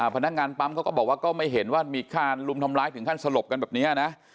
พนักงานปั๊มเขาก็บอกว่าก็ไม่เห็นว่ามีการลุมทำร้ายถึงขั้นสลบกันแบบนี้นะ